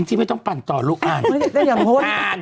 เอออันที่ไม่ต้องปั่นต่อลูกอ่านอ่าน